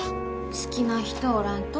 好きな人おらんと？